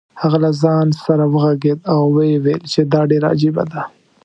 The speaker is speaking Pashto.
هغه له ځان سره وغږېد او ویې ویل چې دا ډېره عجیبه ده.